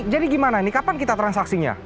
jadi gimana ini kapan kita transaksinya